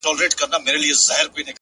صادق چلند د اعتماد کلا جوړوي.!